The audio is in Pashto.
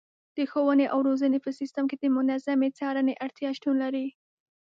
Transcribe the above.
د ښوونې او روزنې په سیستم کې د منظمې څارنې اړتیا شتون لري.